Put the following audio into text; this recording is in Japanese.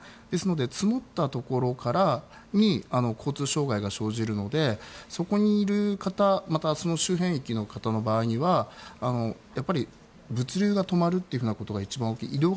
ですので、積もったところに交通障害が生じるのでそこにいる方または周辺域の方の場合は物流が止まるということが一番大きい。